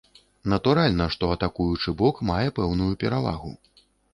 Натуральна, што атакуючы бок мае пэўную перавагу.